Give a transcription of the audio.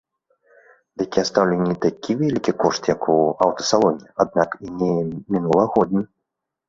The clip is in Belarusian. Дык я стаўлю не такі вялікі кошт, як у аўтасалоне, аднак і не мінулагодні.